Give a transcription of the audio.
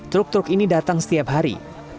truk truk ini datang setiap hari